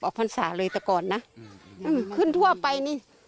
พรรษาเลยแต่ก่อนนะขึ้นทั่วไปนี่